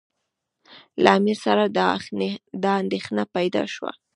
له امیر سره دا اندېښنه پیدا شوه.